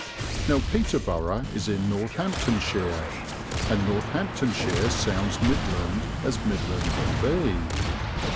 Now Peterborough is in Northamptonshire, and Northamptonshire sounds Midland as Midland can be.